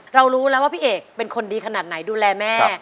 รู้แล้วว่าพี่เอกเป็นคนดีขนาดไหนดูแลแม่